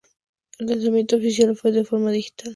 El lanzamiento oficial fue de forma digital.